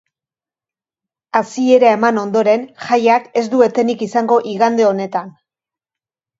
Hasiera eman ondoren, jaiak ez du etenik izango igande honetan.